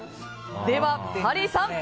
ではハリーさん